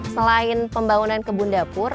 selain pembangunan kebun dapur